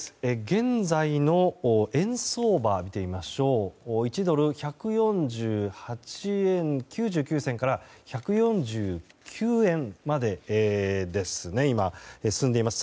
現在の円相場を見てみると１ドル＝１４８円９９銭から１４９円まで進んでいます。